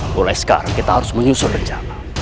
mulai sekarang kita harus menyusul rencana